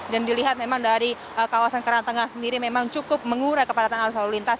dan dilihat memang dari kawasan karangtengah sendiri memang cukup mengurai kepadatan arus lalu lintas